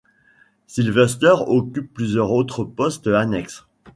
Sylvester occupe plusieurs autres postes annexes.